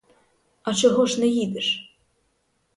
А чого ж не їдеш?